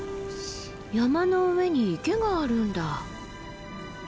山の上に池があるんだ。